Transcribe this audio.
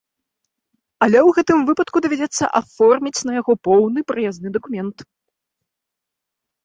Але ў гэтым выпадку давядзецца аформіць на яго поўны праязны дакумент.